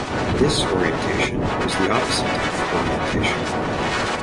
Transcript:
Disorientation is the opposite of orientation.